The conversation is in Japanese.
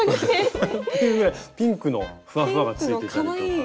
ピンクのふわふわがついてたりとか。